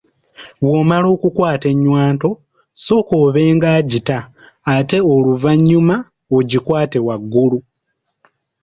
Bw’omala okukwata ennywanto, sooka obe nga agita ate oluvannyuma ogikwate waggulu.